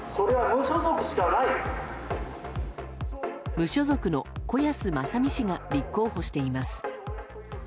無所属の子安正美氏が立候補しています。